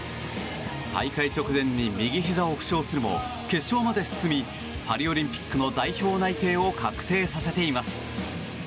大会直前に右ひざを負傷するも決勝まで進みパリオリンピックの代表内定を確定させています。